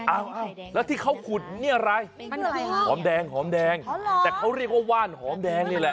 อ้าวแล้วที่เขาขุดนี่อะไรคะหอมแดงหอมแดงแต่เขาเรียกว่าว่านหอมแดงนี่แหละ